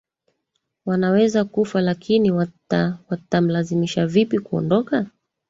wanaweza kufa lakini wata watamlazimisha vipi kuondoka